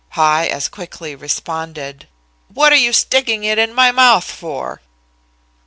High as quickly responded: "What are you sticking it in my mouth for?"